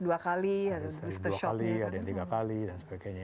ada yang harus dua kali ada yang tiga kali dan sebagainya